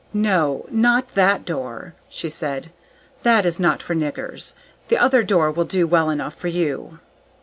"No, not that door," she said; "that is not for niggers. The other door will do well enough for you!"